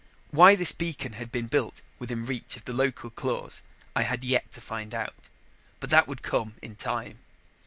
Why this beacon had been built within reach of the local claws, I had yet to find out. But that would come in time.